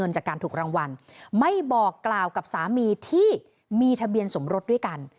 จากการถูกรางวัลไม่บอกกล่าวกับสามีที่มีทะเบียนสมรสด้วยกัน